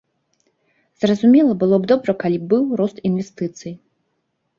Зразумела, было б добра, калі б быў рост інвестыцый.